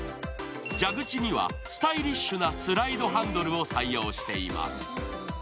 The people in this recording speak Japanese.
蛇口にはスタイリッシュなスライドハンドルを採用しています。